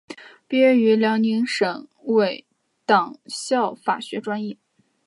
毕业于辽宁省委党校法学专业。